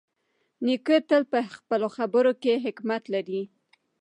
نیکه تل په خپلو خبرو کې حکمت لري.